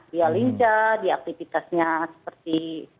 dia lincah dia aktivitasnya seperti